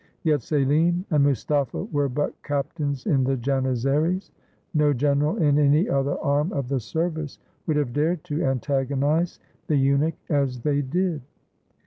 Yet Selim and Mustapha were but cap tains in the Janizaries. No general in any other arm of the service would have dared to antagonize the eunuch as they did.